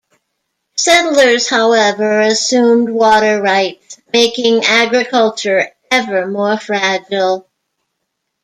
Settlers however assumed water rights, making agriculture ever more fragile.